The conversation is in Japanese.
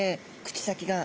口先が。